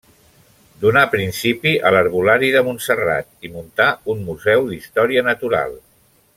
Donà principi a l'herbolari de Montserrat i muntà un museu d'història natural.